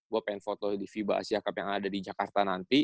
gua pengen foto di vibasia cup yang ada di jakarta nanti